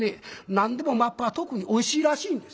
何でもマップは特においしいらしいんです。